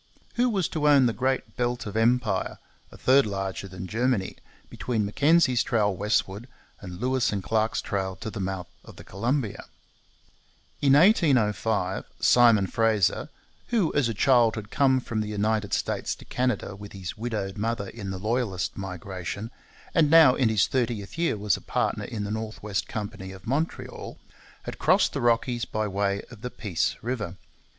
Who was to own the great belt of empire a third larger than Germany between Mackenzie's trail westward and Lewis and Clark's trail to the mouth of the Columbia? In 1805 Simon Fraser, who as a child had come from the United States to Canada with his widowed mother in the Loyalist migration, and now in his thirtieth year was a partner in the North West Company of Montreal, had crossed the Rockies by way of the Peace river.